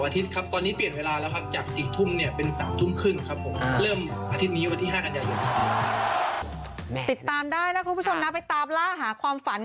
ติดตามได้นะคุณผู้ชมนะไปตามล่าหาความฝัน